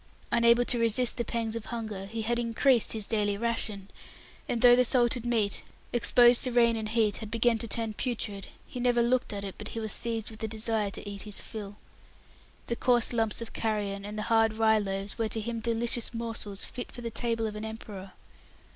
Unable to resist the pangs of hunger, he had increased his daily ration; and though the salted meat, exposed to rain and heat, had begun to turn putrid, he never looked at it but he was seized with a desire to eat his fill. The coarse lumps of carrion and the hard rye loaves were to him delicious morsels fit for the table of an emperor.